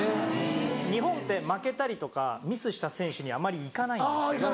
日本って負けたりとかミスした選手にあまり行かないんですけど。